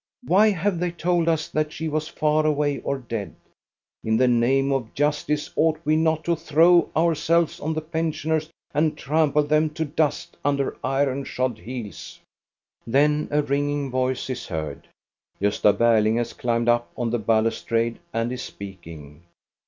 Why have they told us that she was far away or dead.? In the name of justice, ought we not to throw ourselves on the pensioners and trample them to dust under iron shod heels ?" Then a ringing voice is heard. Gosta Berling has climbed up on the balustrade and is speaking.